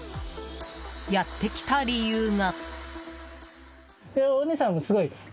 やってきた理由が。